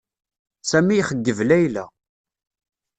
Sami ixeyyeb Layla.